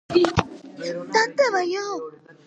იგი ყველაფერზეა წამსვლელი, რათა ის მიიღოს, რაც სურს.